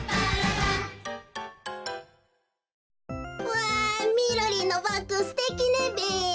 わあみろりんのバッグすてきねべ。